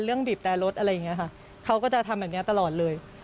บีบแต่รถอะไรอย่างนี้ค่ะเขาก็จะทำแบบนี้ตลอดเลย